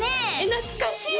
懐かしい